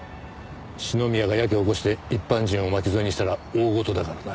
四宮がやけを起こして一般人を巻き添えにしたら大事だからな。